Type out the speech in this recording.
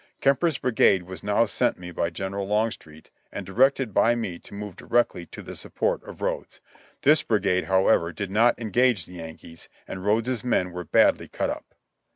Kemper's brigade was now sent me by General Longstreet, and directed by me to move directly to the support of Rodes. This brigade, however, did not engage the Yankees, and Rodes's men were badly cut up."